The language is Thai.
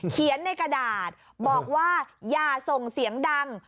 เขียนในกระดาษบอกว่าอย่าส่งเสียงดัง